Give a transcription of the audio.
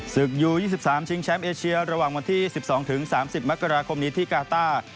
อยู่๒๓ชิงแชมป์เอเชียระหว่างวันที่๑๒๓๐มกราคมนี้ที่กาต้า